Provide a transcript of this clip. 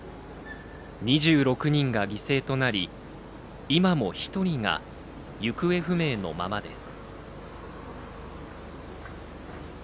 ２６人が犠牲となり今も１人が行方不明のままです。